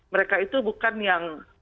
mereka itu bukan yang